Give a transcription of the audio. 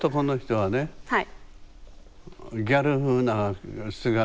はい。